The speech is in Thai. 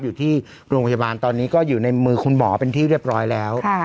อยู่ที่โรงพยาบาลตอนนี้ก็อยู่ในมือคุณหมอเป็นที่เรียบร้อยแล้ว